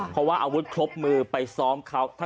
เพราะว่าอาวุธครบมือไปซ้อมเขา